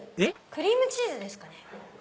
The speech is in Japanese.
クリームチーズですかね？